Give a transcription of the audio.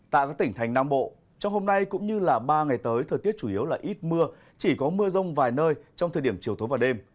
tại các tỉnh thành nam bộ trong hôm nay cũng như ba ngày tới thời tiết chủ yếu là ít mưa chỉ có mưa rông vài nơi trong thời điểm chiều tối và đêm